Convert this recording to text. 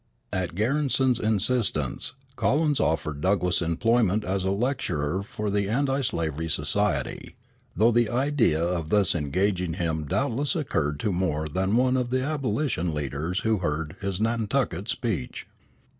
At Garrison's instance Collins offered Douglass employment as lecturer for the Anti slavery Society, though the idea of thus engaging him doubtless occurred to more than one of the abolition leaders who heard his Nantucket speech.